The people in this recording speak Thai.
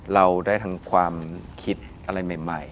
เราได้ทั้งความคิดอะไรใหม่